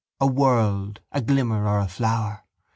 A world, a glimmer or a flower?